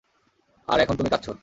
আর এখন তুমি কাঁদছো!